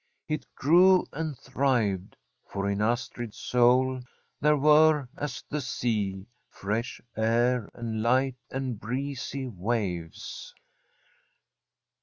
It grew and thrived, for in Astrid*s son! there were, as at the sea, fresh air and light and breezy waves.